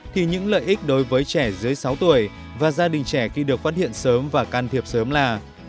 thì những lợi ích đối với trẻ dưới sáu tuổi và gia đình trẻ khi được phát hiện sớm và can thiệp sớm là